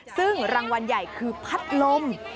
ซึ่งรางวัลใหญ่คือพัดลม